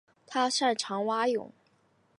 他擅长蛙泳。